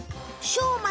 しょうま？